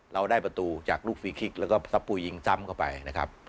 เราได้ประตูจากลูกฟรีคิกแล้วก็ซับปุ๋ยยิงซ้ำเข้าไปนะครับ